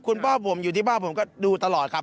คุณพ่อผมอยู่ที่บ้านผมก็ดูตลอดครับ